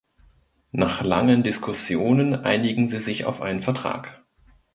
Nach langen Diskussionen einigen sie sich auf einen Vertrag.